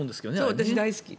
私、大好き。